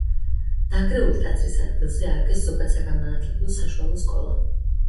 დანგრეული ტაძრის ადგილზე ააგეს ზოგადსაგანმანათლებლო საშუალო სკოლა.